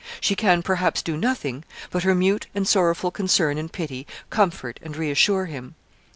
She can, perhaps do nothing, but her mute and sorrowful concern and pity comfort and reassure him.